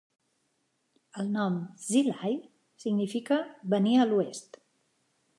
El nom "Hsi Lai" significa "Venir a l'Oest".